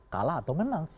kalah atau menang